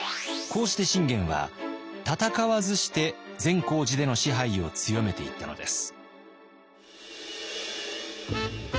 こうして信玄は戦わずして善光寺での支配を強めていったのです。